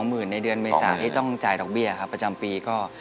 มีเมษาที่ต้องจ่ายดอกเบี้ยครับประจำปีก็